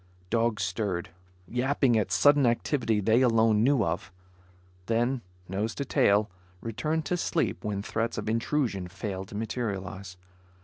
Dogs stirred, yapping at sudden activity they alone knew of, then nose to tail, returned to sleep when threats of intrusion failed to materialize.